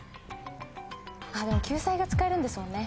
あっでも救済が使えるんですもんね。